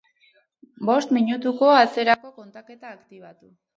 Bost minutuko atzerako kontaketa aktibatu